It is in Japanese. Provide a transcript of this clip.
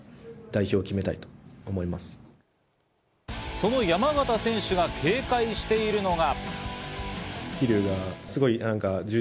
その山縣選手が警戒しているのが。